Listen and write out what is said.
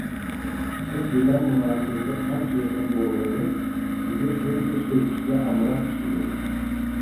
سىز بىلەن مۇناسىۋىتى قانچە يېقىن بولغىنى سىزنى شۇنچە سۆكۈشكە ئامراق كىشىدۇر.